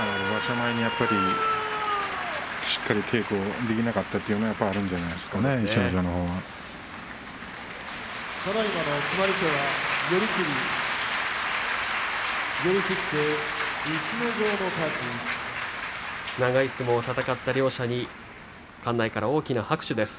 前にしっかり稽古できなかったというのはあるんじゃないですか逸ノ城のほうには。長い相撲を戦った両者に館内から大きな拍手です。